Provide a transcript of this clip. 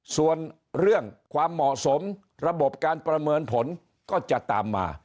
ส่วนเรื่องความเหมาะสมระบบการประเมินผลก็จะตามมา